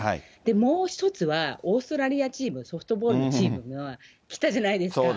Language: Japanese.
もう１つはオーストラリアチーム、ソフトボールのチームが来たじゃないですか。